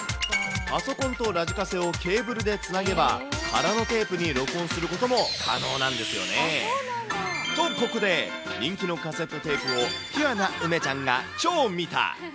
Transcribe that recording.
パソコンとラジカセをケーブルでつなげば、空のテープに録音することも可能なんですよね。とここで、人気のカセットテープを、ピュアな梅ちゃんが超見た。